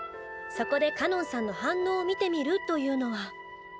そこでかのんさんの反応を見てみるというのは。